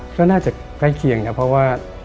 ก็น่าจะใกล้เคียงครับเพราะว่า